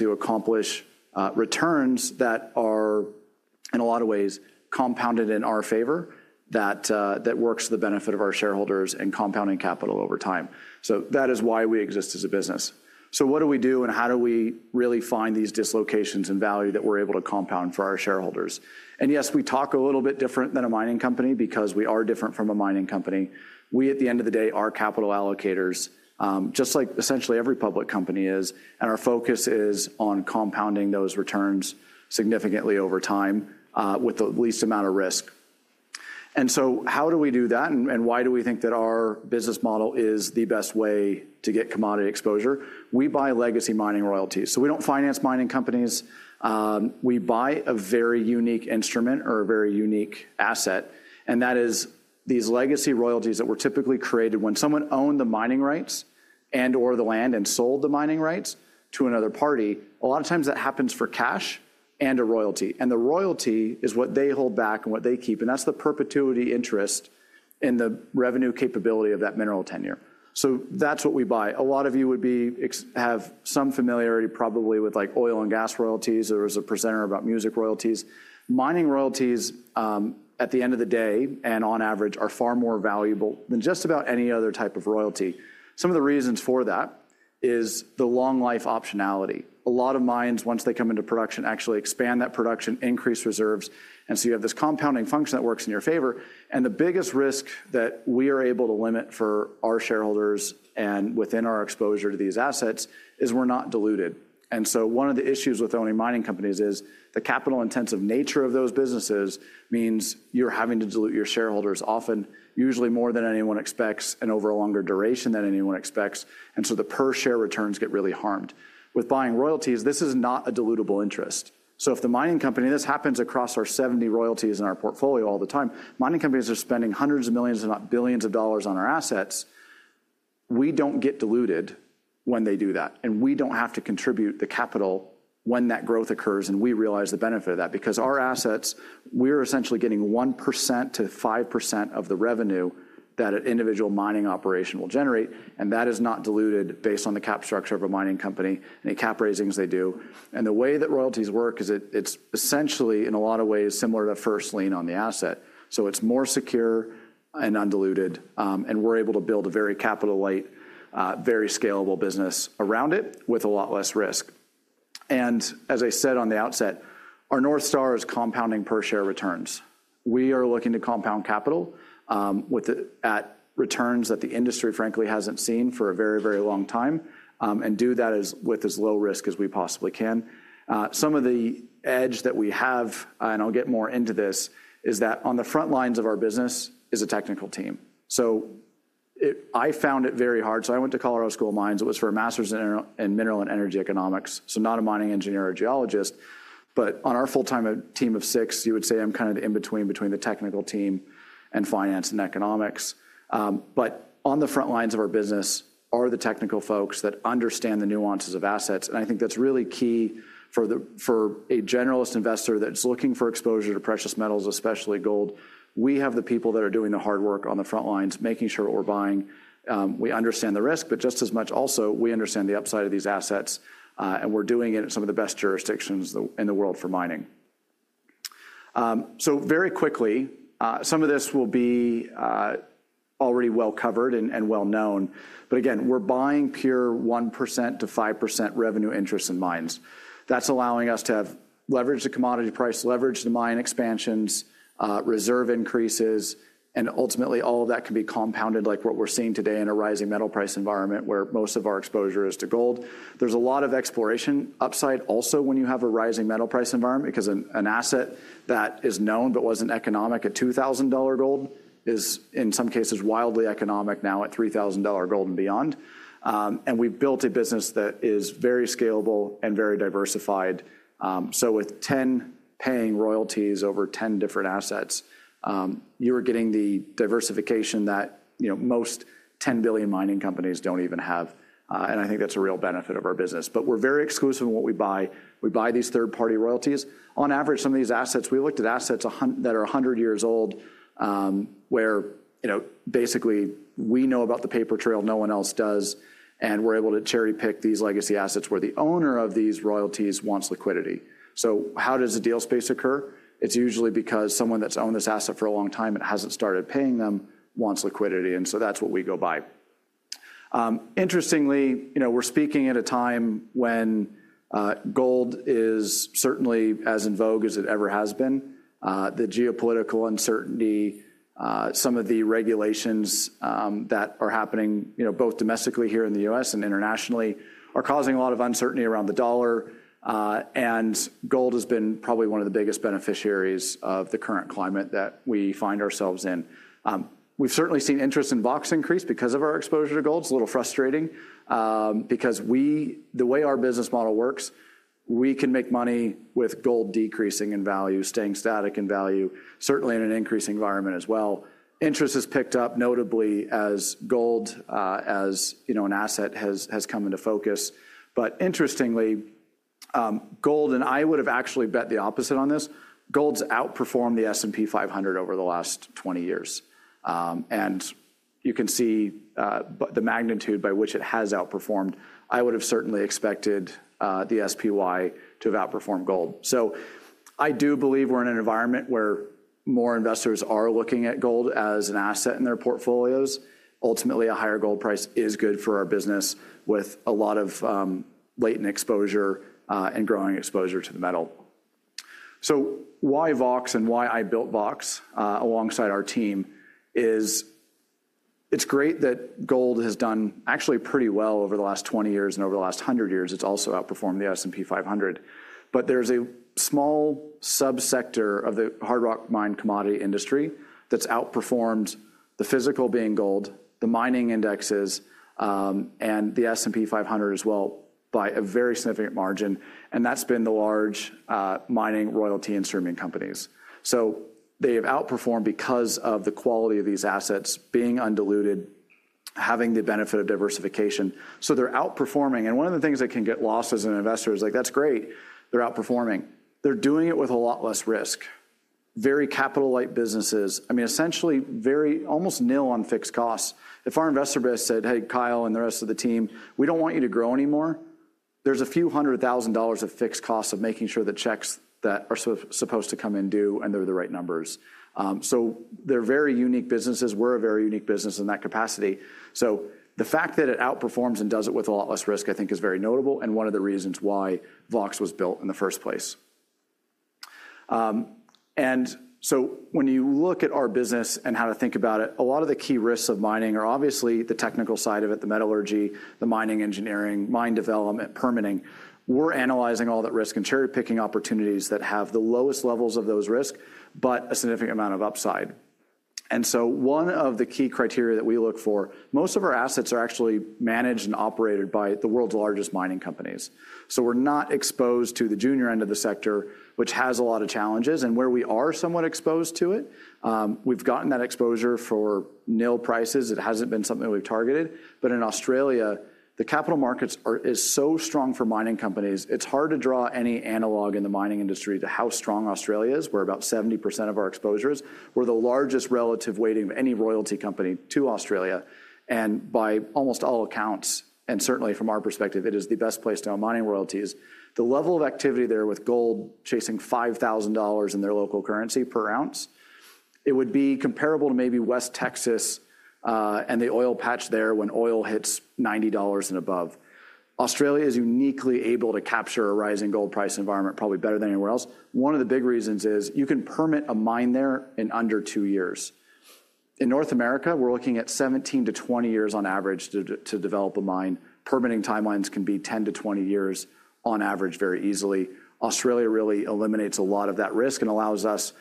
To accomplish returns that are, in a lot of ways, compounded in our favor, that works to the benefit of our shareholders and compounding capital over time. That is why we exist as a business. What do we do, and how do we really find these dislocations in value that we're able to compound for our shareholders? Yes, we talk a little bit different than a mining company because we are different from a mining company. We, at the end of the day, are capital allocators, just like essentially every public company is, and our focus is on compounding those returns significantly over time with the least amount of risk. How do we do that, and why do we think that our business model is the best way to get commodity exposure? We buy legacy mining royalties. We don't finance mining companies. We buy a very unique instrument or a very unique asset, and that is these legacy royalties that were typically created when someone owned the mining rights and/or the land and sold the mining rights to another party. A lot of times that happens for cash and a royalty, and the royalty is what they hold back and what they keep, and that's the perpetuity interest in the revenue capability of that mineral tenure. That is what we buy. A lot of you would have some familiarity probably with oil and gas royalties. There was a presenter about music royalties. Mining royalties, at the end of the day and on average, are far more valuable than just about any other type of royalty. Some of the reasons for that is the long-life optionality. A lot of mines, once they come into production, actually expand that production, increase reserves, and you have this compounding function that works in your favor. The biggest risk that we are able to limit for our shareholders and within our exposure to these assets is we're not diluted. One of the issues with owning mining companies is the capital-intensive nature of those businesses means you're having to dilute your shareholders often, usually more than anyone expects and over a longer duration than anyone expects, and the per-share returns get really harmed. With buying royalties, this is not a dilutable interest. If the mining company—and this happens across our 70 royalties in our portfolio all the time—mining companies are spending hundreds of millions and not billions of dollars on our assets, we do not get diluted when they do that, and we do not have to contribute the capital when that growth occurs, and we realize the benefit of that because our assets, we are essentially getting 1% to 5% of the revenue that an individual mining operation will generate, and that is not diluted based on the cap structure of a mining company and the cap raisings they do. The way that royalties work is it is essentially, in a lot of ways, similar to first lien on the asset. It is more secure and undiluted, and we are able to build a very capital-light, very scalable business around it with a lot less risk. As I said at the outset, our North Star is compounding per-share returns. We are looking to compound capital at returns that the industry, frankly, has not seen for a very, very long time and do that with as low risk as we possibly can. Some of the edge that we have—I will get more into this—is that on the front lines of our business is a technical team. I found it very hard. I went to Colorado School of Mines. It was for a master's in mineral and energy economics, so not a mining engineer or a geologist, but on our full-time team of six, you would say I am kind of the in-between between the technical team and finance and economics. On the front lines of our business are the technical folks that understand the nuances of assets, and I think that's really key for a generalist investor that's looking for exposure to precious metals, especially gold. We have the people that are doing the hard work on the front lines, making sure what we're buying. We understand the risk, but just as much also, we understand the upside of these assets, and we're doing it in some of the best jurisdictions in the world for mining. Very quickly, some of this will be already well covered and well known, but again, we're buying pure 1% to 5% revenue interest in mines. That's allowing us to have leveraged the commodity price, leveraged the mine expansions, reserve increases, and ultimately all of that can be compounded like what we're seeing today in a rising metal price environment where most of our exposure is to gold. There's a lot of exploration upside also when you have a rising metal price environment because an asset that is known but wasn't economic at $2,000 gold is, in some cases, wildly economic now at $3,000 gold and beyond. We have built a business that is very scalable and very diversified. With 10 paying royalties over 10 different assets, you are getting the diversification that most 10 billion mining companies don't even have, and I think that's a real benefit of our business. We're very exclusive in what we buy. We buy these third-party royalties. On average, some of these assets—we looked at assets that are 100 years old where basically we know about the paper trail, no one else does, and we're able to cherry-pick these legacy assets where the owner of these royalties wants liquidity. How does the deal space occur? It's usually because someone that's owned this asset for a long time and hasn't started paying them wants liquidity, and that's what we go buy. Interestingly, we're speaking at a time when gold is certainly as in vogue as it ever has been. The geopolitical uncertainty, some of the regulations that are happening both domestically here in the U.S. and internationally are causing a lot of uncertainty around the dollar, and gold has been probably one of the biggest beneficiaries of the current climate that we find ourselves in. We've certainly seen interest in Vox increase because of our exposure to gold. It's a little frustrating because the way our business model works, we can make money with gold decreasing in value, staying static in value, certainly in an increasing environment as well. Interest has picked up notably as gold, as an asset, has come into focus. Interestingly, gold—I would have actually bet the opposite on this—gold's outperformed the S&P 500 over the last 20 years, and you can see the magnitude by which it has outperformed. I would have certainly expected the SPY to have outperformed gold. I do believe we're in an environment where more investors are looking at gold as an asset in their portfolios. Ultimately, a higher gold price is good for our business with a lot of latent exposure and growing exposure to the metal. Why Vox and why I built Vox alongside our team is it's great that gold has done actually pretty well over the last 20 years and over the last 100 years. It's also outperformed the S&P 500, but there's a small subsector of the hard rock mine commodity industry that's outperformed the physical being gold, the mining indexes, and the S&P 500 as well by a very significant margin, and that's been the large mining, royalty, and streaming companies. They have outperformed because of the quality of these assets being undiluted, having the benefit of diversification. They're outperforming, and one of the things that can get lost as an investor is like, "That's great. They're outperforming." They're doing it with a lot less risk. Very capital-light businesses, I mean, essentially very almost nil on fixed costs. If our investor base said, "Hey, Kyle and the rest of the team, we don't want you to grow anymore," there's a few hundred thousand dollars of fixed costs of making sure the checks that are supposed to come in do, and they're the right numbers. They're very unique businesses. We're a very unique business in that capacity. The fact that it outperforms and does it with a lot less risk, I think, is very notable and one of the reasons why Vox was built in the first place. When you look at our business and how to think about it, a lot of the key risks of mining are obviously the technical side of it, the metallurgy, the mining engineering, mine development, permitting. We're analyzing all that risk and cherry-picking opportunities that have the lowest levels of those risks but a significant amount of upside. One of the key criteria that we look for, most of our assets are actually managed and operated by the world's largest mining companies. We are not exposed to the junior end of the sector, which has a lot of challenges, and where we are somewhat exposed to it, we've gotten that exposure for nil prices. It hasn't been something we've targeted, but in Australia, the capital markets are so strong for mining companies, it's hard to draw any analog in the mining industry to how strong Australia is. We're about 70% of our exposures. We're the largest relative weighting of any royalty company to Australia, and by almost all accounts, and certainly from our perspective, it is the best place to own mining royalties. The level of activity there with gold chasing 5,000 dollars in their local currency per ounce, it would be comparable to maybe West Texas and the oil patch there when oil hits $90 and above. Australia is uniquely able to capture a rising gold price environment probably better than anywhere else. One of the big reasons is you can permit a mine there in under two years. In North America, we're looking at 17 to 20 years on average to develop a mine. Permitting timelines can be 10 to 20 years on average very easily. Australia really eliminates a lot of that risk and allows us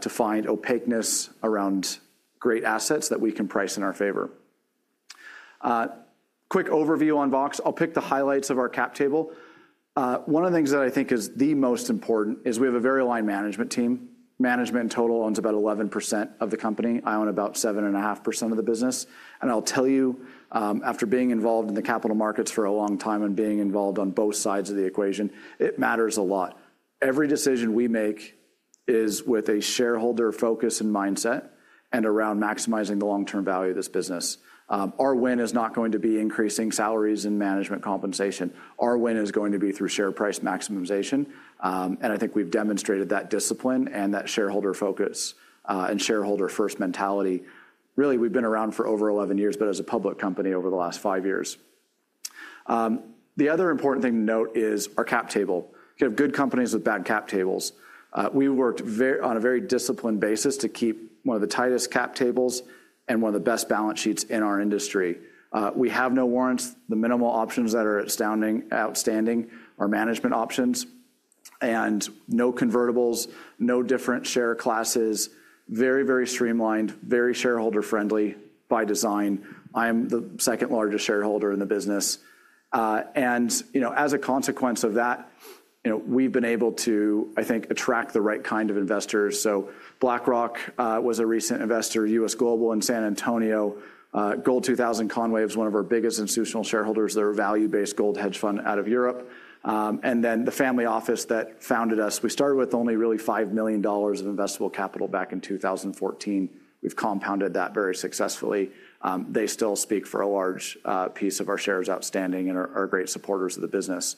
to find opaqueness around great assets that we can price in our favor. Quick overview on Vox. I'll pick the highlights of our cap table. One of the things that I think is the most important is we have a very aligned management team. Management total owns about 11% of the company. I own about 7.5% of the business, and I'll tell you, after being involved in the capital markets for a long time and being involved on both sides of the equation, it matters a lot. Every decision we make is with a shareholder focus and mindset and around maximizing the long-term value of this business. Our win is not going to be increasing salaries and management compensation. Our win is going to be through share price maximization, and I think we've demonstrated that discipline and that shareholder focus and shareholder-first mentality. Really, we've been around for over 11 years, but as a public company over the last five years. The other important thing to note is our cap table. You have good companies with bad cap tables. We worked on a very disciplined basis to keep one of the tightest cap tables and one of the best balance sheets in our industry. We have no warrants. The minimal options that are outstanding are management options and no convertibles, no different share classes. Very, very streamlined, very shareholder-friendly by design. I am the second largest shareholder in the business, and as a consequence of that, we've been able to, I think, attract the right kind of investors. BlackRock was a recent investor, U.S. Global in San Antonio. Gold 2000 Conway is one of our biggest institutional shareholders. They're a value-based gold hedge fund out of Europe. The family office that founded us, we started with only really $5 million of investable capital back in 2014. We've compounded that very successfully. They still speak for a large piece of our shares outstanding and are great supporters of the business.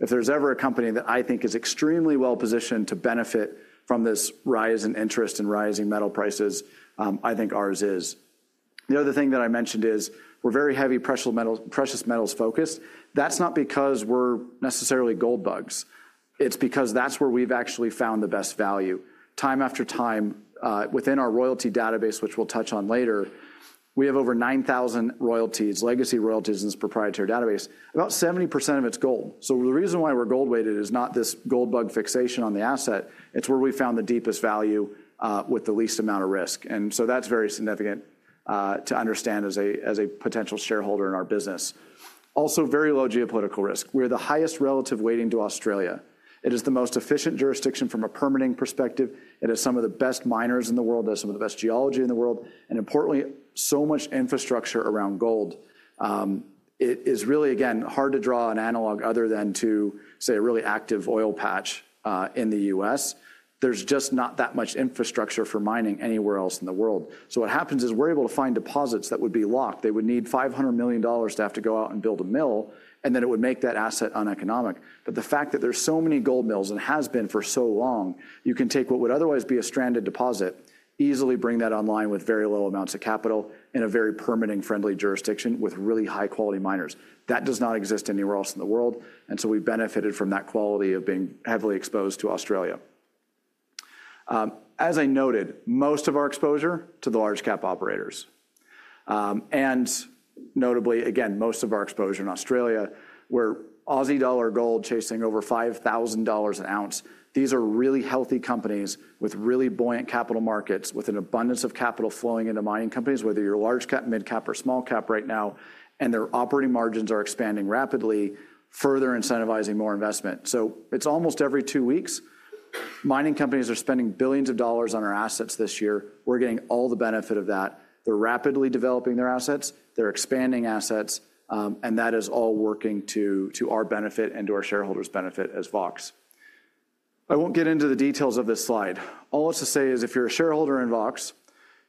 If there's ever a company that I think is extremely well positioned to benefit from this rise in interest and rising metal prices, I think ours is. The other thing that I mentioned is we're very heavy precious metals focused. That's not because we're necessarily gold bugs. It's because that's where we've actually found the best value. Time after time, within our royalty database, which we'll touch on later, we have over 9,000 royalties, legacy royalties in this proprietary database, about 70% of it's gold. The reason why we're gold-weighted is not this gold bug fixation on the asset. It's where we found the deepest value with the least amount of risk, and that's very significant to understand as a potential shareholder in our business. Also, very low geopolitical risk. We are the highest relative weighting to Australia. It is the most efficient jurisdiction from a permitting perspective. It has some of the best miners in the world. It has some of the best geology in the world, and importantly, so much infrastructure around gold. It is really, again, hard to draw an analog other than to say a really active oil patch in the U.S. There's just not that much infrastructure for mining anywhere else in the world. What happens is we're able to find deposits that would be locked. They would need $500 million to have to go out and build a mill, and then it would make that asset uneconomic. The fact that there's so many gold mills and has been for so long, you can take what would otherwise be a stranded deposit, easily bring that online with very low amounts of capital in a very permitting-friendly jurisdiction with really high-quality miners. That does not exist anywhere else in the world, and so we've benefited from that quality of being heavily exposed to Australia. As I noted, most of our exposure to the large cap operators, and notably, again, most of our exposure in Australia, we're Aussie dollar gold chasing over 5,000 dollars an ounce. These are really healthy companies with really buoyant capital markets, with an abundance of capital flowing into mining companies, whether you're large cap, mid cap, or small cap right now, and their operating margins are expanding rapidly, further incentivizing more investment. It's almost every two weeks, mining companies are spending billions of dollars on our assets this year. We're getting all the benefit of that. They're rapidly developing their assets. They're expanding assets, and that is all working to our benefit and to our shareholders' benefit as Vox. I won't get into the details of this slide. All I have to say is if you're a shareholder in Vox,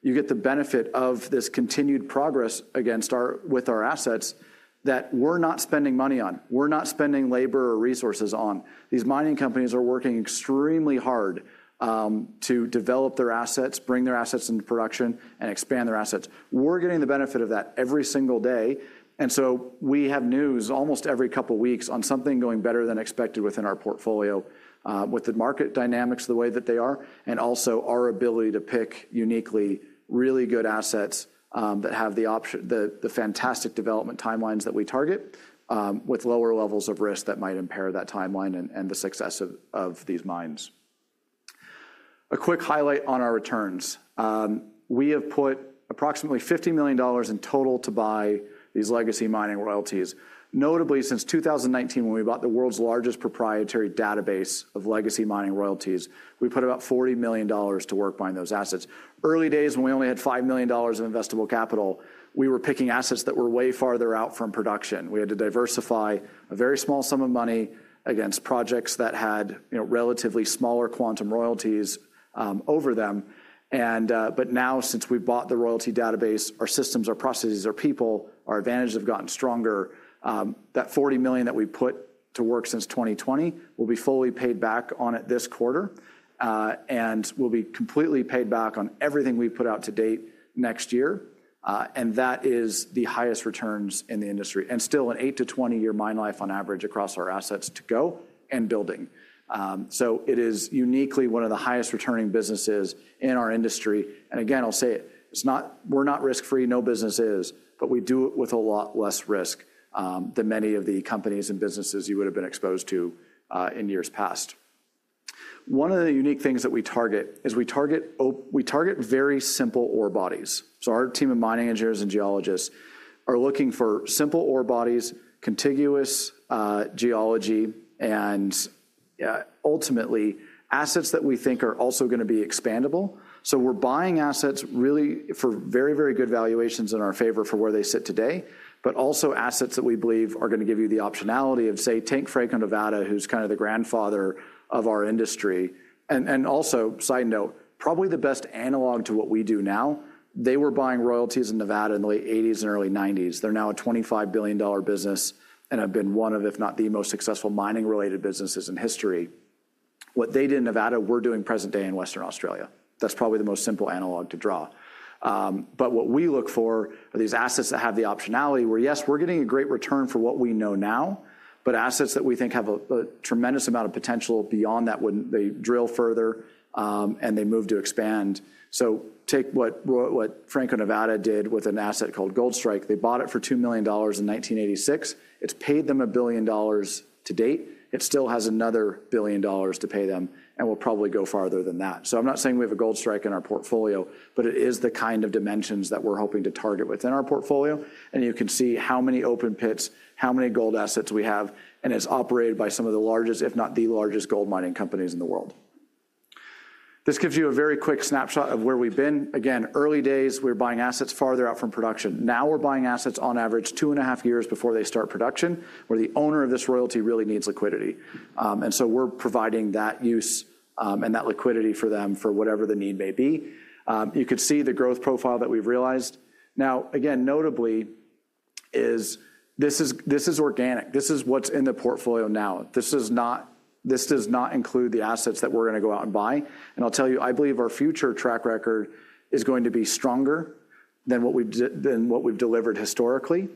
you get the benefit of this continued progress against our assets that we're not spending money on. We're not spending labor or resources on. These mining companies are working extremely hard to develop their assets, bring their assets into production, and expand their assets. We're getting the benefit of that every single day, and we have news almost every couple of weeks on something going better than expected within our portfolio with the market dynamics the way that they are and also our ability to pick uniquely really good assets that have the fantastic development timelines that we target with lower levels of risk that might impair that timeline and the success of these mines. A quick highlight on our returns. We have put approximately $50 million in total to buy these legacy mining royalties. Notably, since 2019, when we bought the world's largest proprietary database of legacy mining royalties, we put about $40 million to work buying those assets. Early days, when we only had $5 million of investable capital, we were picking assets that were way farther out from production. We had to diversify a very small sum of money against projects that had relatively smaller quantum royalties over them. Now, since we bought the royalty database, our systems, our processes, our people, our advantages have gotten stronger. That $40 million that we put to work since 2020 will be fully paid back on it this quarter, and we will be completely paid back on everything we put out to date next year, and that is the highest returns in the industry and still an 8 to 20 year mine life on average across our assets to go and building. It is uniquely one of the highest returning businesses in our industry. Again, I will say it, we are not risk-free. No business is, but we do it with a lot less risk than many of the companies and businesses you would have been exposed to in years past. One of the unique things that we target is we target very simple ore bodies. Our team of mining engineers and geologists are looking for simple ore bodies, contiguous geology, and ultimately assets that we think are also going to be expandable. We are buying assets really for very, very good valuations in our favor for where they sit today, but also assets that we believe are going to give you the optionality of, say, Franco-Nevada in Nevada, who is kind of the grandfather of our industry. Also, side note, probably the best analog to what we do now, they were buying royalties in Nevada in the late 1980s and early 1990s. They are now a $25 billion business and have been one of, if not the most successful mining-related businesses in history. What they did in Nevada, we are doing present day in Western Australia. That's probably the most simple analog to draw. What we look for are these assets that have the optionality where, yes, we're getting a great return for what we know now, but assets that we think have a tremendous amount of potential beyond that when they drill further and they move to expand. Take what Franco-Nevada did with an asset called Goldstrike. They bought it for $2 million in 1986. It's paid them $1 billion to date. It still has another $1 billion to pay them and will probably go farther than that. I'm not saying we have a Goldstrike in our portfolio, but it is the kind of dimensions that we're hoping to target within our portfolio, and you can see how many open pits, how many gold assets we have, and it's operated by some of the largest, if not the largest gold mining companies in the world. This gives you a very quick snapshot of where we've been. Again, early days, we were buying assets farther out from production. Now we're buying assets on average two and a half years before they start production, where the owner of this royalty really needs liquidity. We're providing that use and that liquidity for them for whatever the need may be. You could see the growth profile that we've realized. Now, again, notably, this is organic. This is what's in the portfolio now. This does not include the assets that we're going to go out and buy. I'll tell you, I believe our future track record is going to be stronger than what we've delivered historically.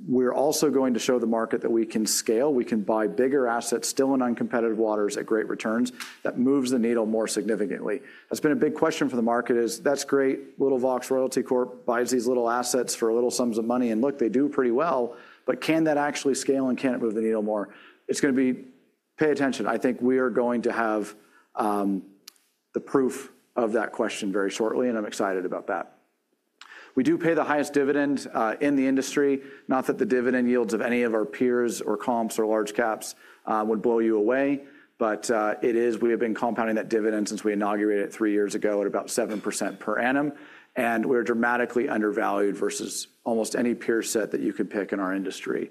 We're also going to show the market that we can scale. We can buy bigger assets still in uncompetitive waters at great returns that moves the needle more significantly. That's been a big question for the market: that's great. Little Vox Royalty buys these little assets for little sums of money, and look, they do pretty well. Can that actually scale and can it move the needle more? It's going to be pay attention. I think we are going to have the proof of that question very shortly, and I'm excited about that. We do pay the highest dividend in the industry. Not that the dividend yields of any of our peers or comps or large caps would blow you away, but it is. We have been compounding that dividend since we inaugurated it three years ago at about 7% per annum, and we're dramatically undervalued versus almost any peer set that you could pick in our industry.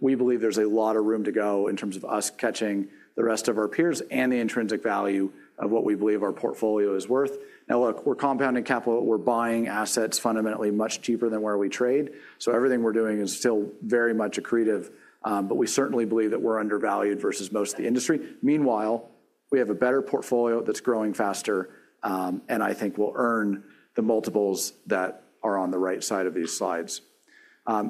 We believe there's a lot of room to go in terms of us catching the rest of our peers and the intrinsic value of what we believe our portfolio is worth. Now, look, we're compounding capital. We're buying assets fundamentally much cheaper than where we trade. Everything we're doing is still very much accretive, but we certainly believe that we're undervalued versus most of the industry. Meanwhile, we have a better portfolio that's growing faster and I think will earn the multiples that are on the right side of these slides.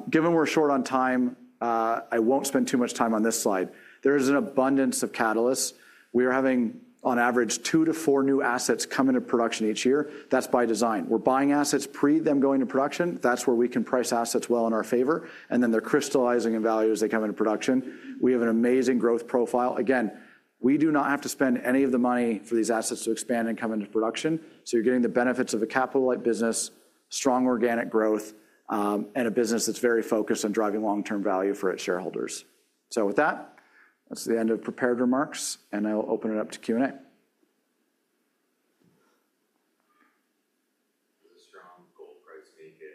Given we're short on time, I won't spend too much time on this slide. There is an abundance of catalysts. We are having, on average, two to four new assets come into production each year. That's by design. We're buying assets pre them going into production. That's where we can price assets well in our favor, and then they're crystallizing in value as they come into production. We have an amazing growth profile. Again, we do not have to spend any of the money for these assets to expand and come into production. You're getting the benefits of a capital-like business, strong organic growth, and a business that's very focused on driving long-term value for its shareholders. With that, that's the end of prepared remarks, and I'll open it up to Q&A. Does a strong gold price make it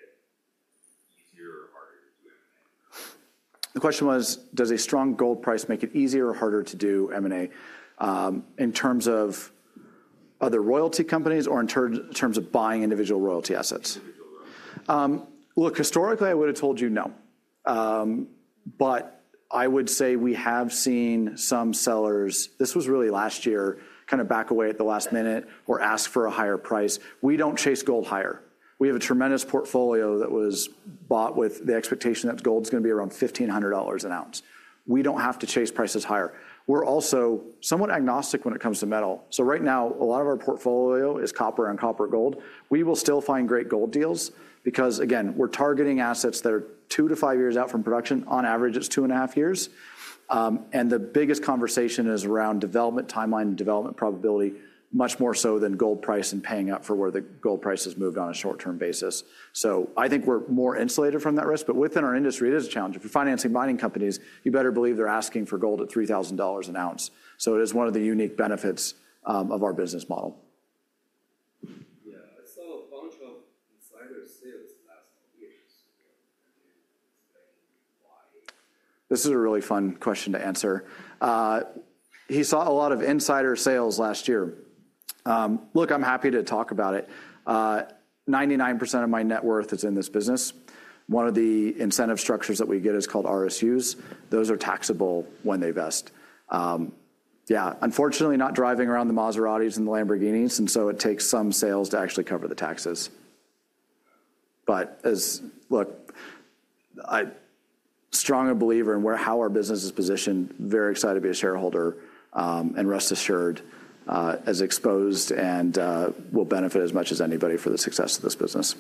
easier or harder to do M&A? The question was, does a strong gold price make it easier or harder to do M&A in terms of other royalty companies or in terms of buying individual royalty assets? Look, historically, I would have told you no, but I would say we have seen some sellers—this was really last year—kind of back away at the last minute or ask for a higher price. We do not chase gold higher. We have a tremendous portfolio that was bought with the expectation that gold's going to be around $1,500 an ounce. We do not have to chase prices higher. We are also somewhat agnostic when it comes to metal. Right now, a lot of our portfolio is copper and copper gold. We will still find great gold deals because, again, we are targeting assets that are two to five years out from production. On average, it is two and a half years. The biggest conversation is around development timeline and development probability, much more so than gold price and paying up for where the gold price has moved on a short-term basis. I think we're more insulated from that risk, but within our industry, it is a challenge. If you're financing mining companies, you better believe they're asking for gold at $3,000 an ounce. It is one of the unique benefits of our business model. I saw a bunch of insider sales last year. This is a really fun question to answer. He saw a lot of insider sales last year. Look, I'm happy to talk about it. 99% of my net worth is in this business. One of the incentive structures that we get is called RSUs. Those are taxable when they vest. Yeah. Unfortunately, not driving around the Maseratis and Lamborghinis, and so it takes some sales to actually cover the taxes. Look, I'm a strong believer in how our business is positioned, very excited to be a shareholder, and rest assured, as exposed and will benefit as much as anybody for the success of this business.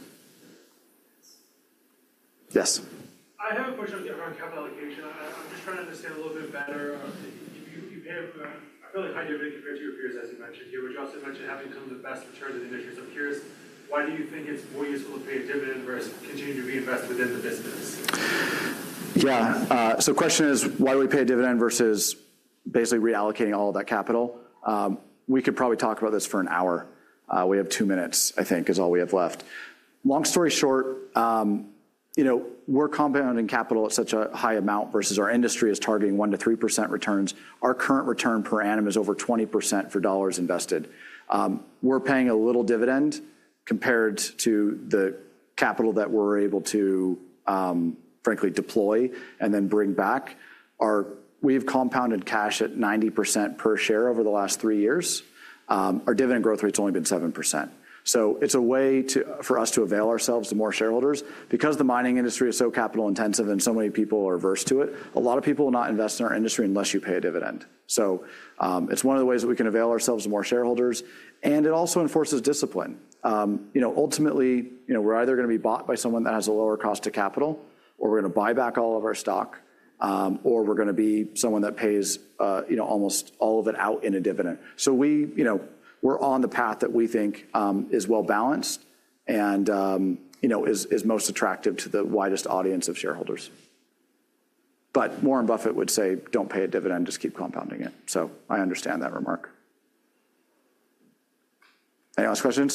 Yes. I have a question on capital allocation. I'm just trying to understand a little bit better. You pay a really high dividend compared to your peers, as you mentioned here, which also mentioned having some of the best returns in the industry. Peers, why do you think it's more useful to pay a dividend versus continue to reinvest within the business? Yeah. The question is, why do we pay a dividend versus basically reallocating all of that capital? We could probably talk about this for an hour. We have two minutes, I think, is all we have left. Long story short, we're compounding capital at such a high amount versus our industry is targeting 1% to 3% returns. Our current return per annum is over 20% for dollars invested. We're paying a little dividend compared to the capital that we're able to, frankly, deploy and then bring back. We have compounded cash at 90% per share over the last three years. Our dividend growth rate's only been 7%. It is a way for us to avail ourselves to more shareholders. Because the mining industry is so capital-intensive and so many people are averse to it, a lot of people will not invest in our industry unless you pay a dividend. It is one of the ways that we can avail ourselves to more shareholders, and it also enforces discipline. Ultimately, we're either going to be bought by someone that has a lower cost to capital, or we're going to buy back all of our stock, or we're going to be someone that pays almost all of it out in a dividend. We are on the path that we think is well-balanced and is most attractive to the widest audience of shareholders. Warren Buffett would say, "Don't pay a dividend. Just keep compounding it." I understand that remark. Any last questions?